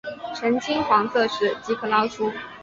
呈金黄色时即可捞出。